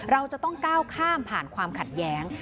เราจะต้องก้าวข้ามผ่านความขัดแย้ง